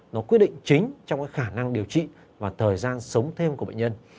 nó quyết định chính trong cái khả năng điều trị và thời gian sống thêm của bệnh nhân